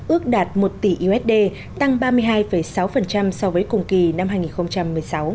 ước đạt một tỷ usd tăng ba mươi hai sáu so với cùng kỳ năm hai nghìn một mươi sáu